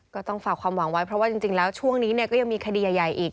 ก็ต้องฝากความหวังไว้เพราะว่าจริงแล้วช่วงนี้เนี่ยก็ยังมีคดีใหญ่อีก